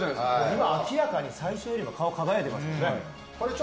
今、明らかに最初より顔、輝いてますからね。